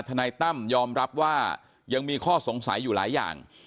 นายตั้มยอมรับว่ายังมีข้อสงสัยอยู่หลายอย่าง